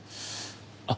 あっ